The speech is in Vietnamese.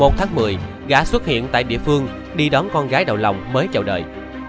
mùng một tháng một mươi gã xuất hiện tại địa phương đi đón con gái đậu lòng mới chào đợi